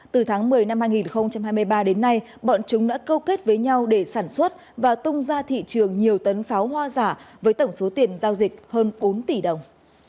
từ tháng một mươi năm hai nghìn hai mươi ba đến nay bọn chúng đã câu kết với nhau để sản xuất và tung ra thị trường nhiều tấn pháo hoa giả với tổng số tiền giao dịch hơn bốn tỷ đồng